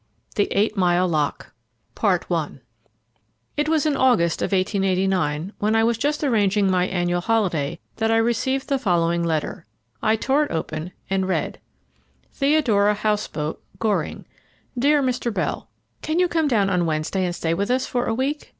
IV THE EIGHT MILE LOCK It was in the August of 1889, when I was just arranging my annual holiday, that I received the following letter. I tore it open and read: "Theodora House boat, Goring. "Dear Mr. Bell, "Can you come down on Wednesday and stay with us for a week?